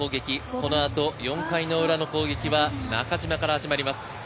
このあと４回の裏の攻撃は中島から始まります。